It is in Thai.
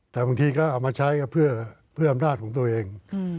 แต่บางทีก็เอามาใช้ก็เพื่ออำนาจของตัวเอง